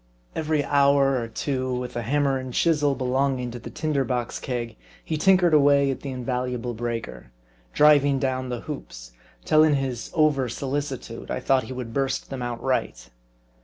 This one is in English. Every hour or two with the hammer and chisel belonging to the tinder box keg, he tinkered away at the invaluable breaker ; driving down the hoops, till in his over solicitude, I thought he would burst them outright.